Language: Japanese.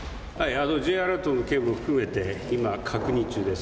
Ｊアラートの件も含めて今、確認中です。